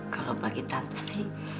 kalau bagi tante sih